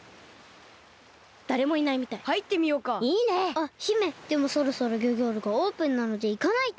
あっ姫でもそろそろギョギョールがオープンなのでいかないと。